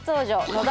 野田。